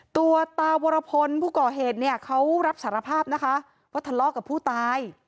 ตัวตาวรพลผู้ก่อเหตุเนี่ยเขารับสารภาพนะคะว่าทะเลาะกับผู้ตาย